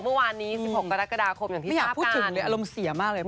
เมื่อวานนี้๑๖กรกฎาคมอย่างที่อยากพูดถึงเลยอารมณ์เสียมากเลย